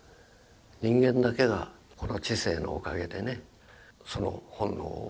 人間だけがこの知性のおかげでねその本能をなくしちゃってる。